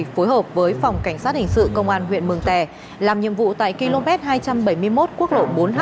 phối hợp với phòng cảnh sát hình sự công an huyện mường tè làm nhiệm vụ tại km hai trăm bảy mươi một quốc lộ bốn mươi hai